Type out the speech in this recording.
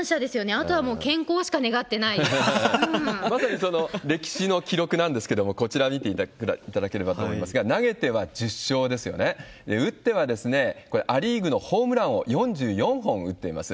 あとはもう健まさにその歴史の記録なんですけれども、こちら見ていただければと思いますが、投げては１０勝ですよね、打ってはこれ、ア・リーグのホームラン王、４４本打っています。